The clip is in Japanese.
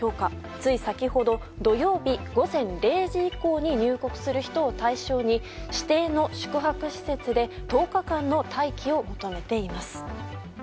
つい先ほど土曜日午前０時以降に入国する人を対象に指定の宿泊施設で１０日間の待機を求めています。